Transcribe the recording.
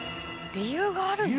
理由があるの？